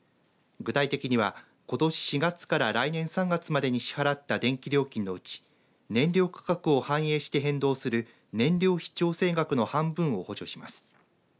具体的にはことし４月から来年３月までに支払った電気料金のうち燃料価格を反映して変動する燃料費調整額の半分を補助します。